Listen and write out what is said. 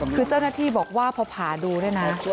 คือเจ้าหน้าที่บอกว่าพอผ่าดูเนี่ยนะ